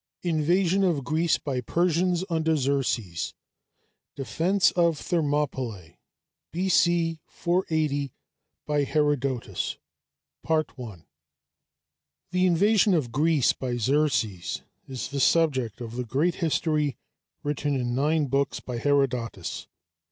INVASION OF GREECE BY PERSIANS UNDER XERXES DEFENCE OF THERMOPYLÆ B.C. 480 HERODOTUS The invasion of Greece by Xerxes is the subject of the great history written in nine books by Herodotus.